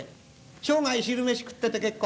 生涯昼飯食ってて結構。